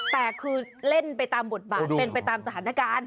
แต่คือเล่นไปตามบทบาทเป็นไปตามสถานการณ์